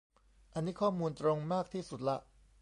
อันนี้ข้อมูลตรงมากที่สุดละ